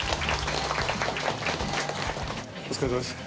お疲れさまです。